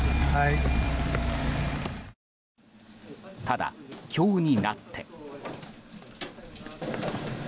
ただ、今日になって。